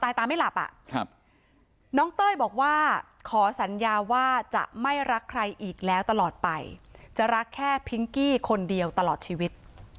ตาไม่หลับอ่ะครับน้องเต้ยบอกว่าขอสัญญาว่าจะไม่รักใครอีกแล้วตลอดไปจะรักแค่พิงกี้คนเดียวตลอดชีวิต